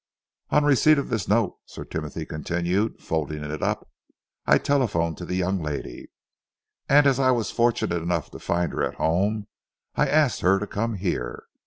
"On receipt of this note," Sir Timothy continued, folding it up, "I telephoned to the young lady and as I was fortunate enough to find her at home I asked her to come here.